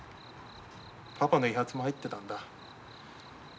パパの遺髪も入ってたんだ。